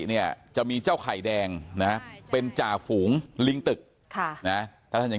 เนี่ยจะมีเจ้าไข่แดงนะเป็นจ่าฝูงลิงตึกค่ะนะถ้าท่านจะ